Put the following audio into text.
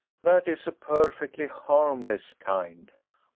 That is a perfectly harmless kind."